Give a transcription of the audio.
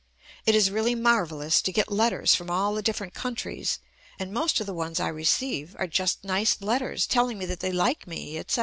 It ist really marvelous to get letters from all the dif ferent countries and most of the ones I receive are just nice letters telling me that they like me, etc.